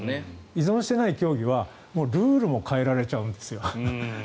依存していない競技はルールも変えられちゃうんです。